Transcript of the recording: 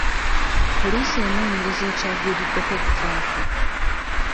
Poliisi enoonyereza ekyaviiriddeko okufa kwe.